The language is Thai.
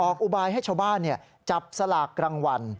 อุบายให้ชาวบ้านจับสลากรางวัล